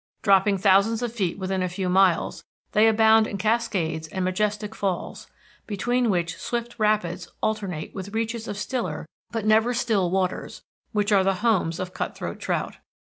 Dropping thousands of feet within a few miles, they abound in cascades and majestic falls, between which swift rapids alternate with reaches of stiller, but never still, waters which are the homes of cut throat trout.